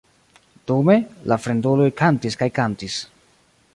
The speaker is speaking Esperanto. Dume, la fremduloj kantis kaj kantis.